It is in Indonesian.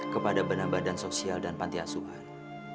kepada benah badan sosial dan pantiasuhan